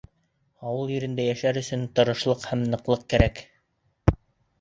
Ауыл ерендә йәшәр өсөн тырышлыҡ һәм ныҡлыҡ кәрәк.